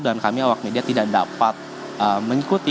dan kami awak media tidak dapat mengikuti